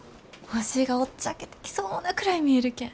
星がおっちゃけてきそうなくらい見えるけん。